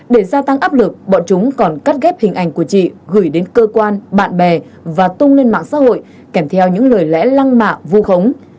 để gia tăng áp lực bọn chúng còn cắt ghép hình ảnh của chị gửi đến cơ quan bạn bè và tung lên mạng xã hội kèm theo những lời lẽ lăng mạ vu khống